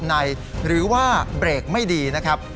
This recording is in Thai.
หรือว่าเบรกไม่ดีนะครับ